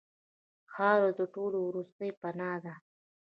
خاوره د ټولو وروستۍ پناه ده.